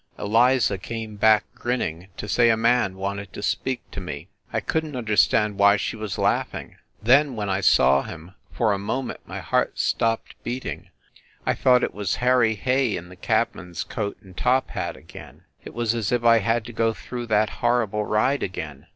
Eliza came back, grinning, to say a man wanted to speak to me. ... I couldn t understand why she was laughing. Then, when I saw him ... for a moment my heart stopped beating. I thought it was 44 FIND THE WOMAN Harry Hay, in the cabman s coat and top hat again. ... It was as if I had to go through that horrible ride again.